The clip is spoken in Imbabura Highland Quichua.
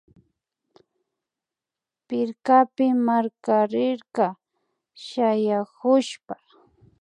Pirkapi markarirka shayakushpa